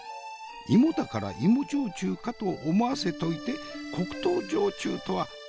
芋だから芋焼酎かと思わせといて黒糖焼酎とはいけすかないのう。